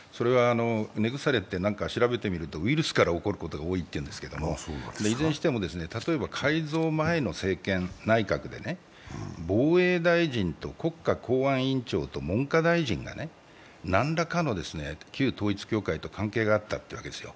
根腐れって調べてみるとウイルスから起こることが多いっていうんですけどいずれにしても、例えば改造前の政権、内閣で、防衛大臣と国家公安委員長と文科大臣が何らかの旧統一教会と関係があったというわけですよ。